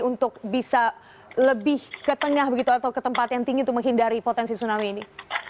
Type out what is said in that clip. untuk bisa lebih ke tengah begitu atau ke tempat yang tinggi untuk menghindari potensi tsunami ini